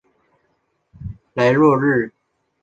莱洛日。